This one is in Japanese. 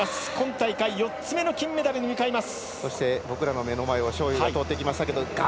今大会４つ目の金メダルに目指します。